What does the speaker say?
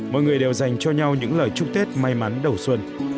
mọi người đều dành cho nhau những lời chúc tết may mắn đầu xuân